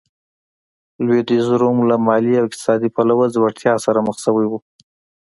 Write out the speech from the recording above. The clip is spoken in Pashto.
لوېدیځ روم له مالي او اقتصادي پلوه ځوړتیا سره مخ شوی و.